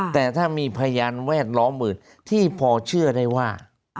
แต่ถ้ามีพยานแวดล้อมอื่นที่พอเชื่อได้ว่า